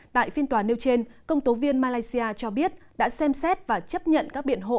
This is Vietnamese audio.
tại phiên tòa nêu trên công tố viên malaysia cho biết đã xem xét và chấp nhận các biện hộ